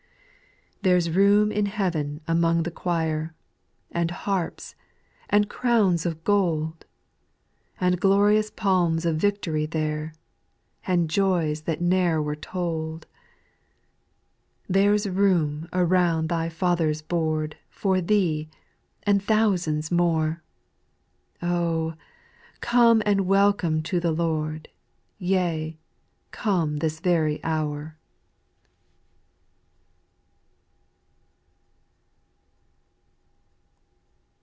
4. There 's room in heaven among the choifj And harps, and crowns of gold ; And glorious palms of victory there, And joys that ne'er were told. 6. There 's room around thy Father's board For thee and thousands more ; Oh I come and welcome to the Lord, Yea, come this very hour.